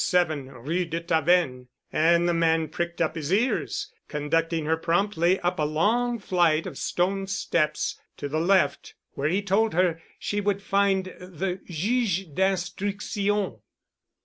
7 Rue de Tavennes and the man pricked up his ears, conducting her promptly up a long flight of stone steps to the left, where he told her she would find the Juge d'Instruction.